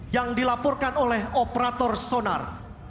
yang dilaporkan oleh operator sonar